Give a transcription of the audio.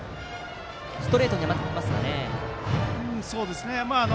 ストレートには手が出ますかね。